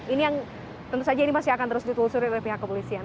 ini yang tentu saja ini masih akan terus ditelusuri oleh pihak kepolisian